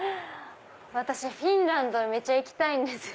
私フィンランドめちゃ行きたいんですよ。